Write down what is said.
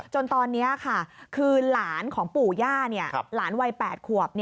จนตอนนี้ค่ะคือหลานของปู่ย่าหลานวัย๘ขวบ